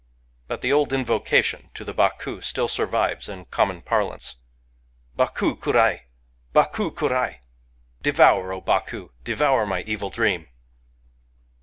But the old invocarion to the Baku srill survives in common parlance: Baku kurai! Baku kurai! — "Devour, O Baku! devour my evil dream!"